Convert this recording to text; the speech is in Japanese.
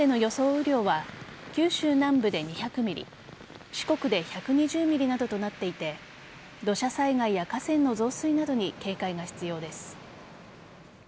雨量は九州南部で２００ｍｍ四国で１２０ｍｍなどとなっていて土砂災害や河川の増水などに警戒が必要です。